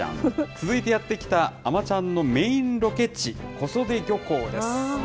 続いてやって来た、あまちゃんのメインロケ地、小袖漁港です。